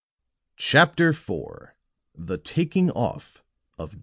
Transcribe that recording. CHAPTER IV THE TAKING OFF OF DR.